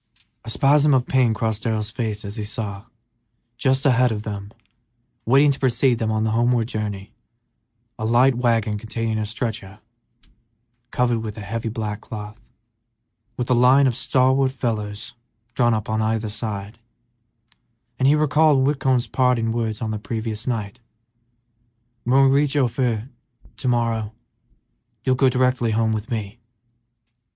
A spasm of pain crossed Darrell's face as he saw, just ahead of them, waiting to precede them on the homeward journey, a light wagon containing a stretcher covered with a heavy black cloth, a line of stalwart young fellows drawn up on either side, and he recalled Whitcomb's parting words on the previous night, "When we reach Ophir to morrow, you'll go directly home with me."